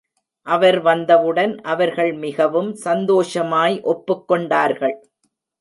அவர் வந்தவுடன், அவர்கள் மிகவும் சந்தோஷமாய் ஒப்புக்கொண்டார்கள்.